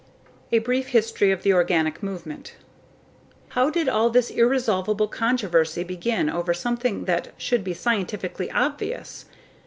A Brief History of the Organic Movement How did all of this irresolvable controversy begin over something that should be scientifically obvious?